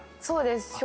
そうです。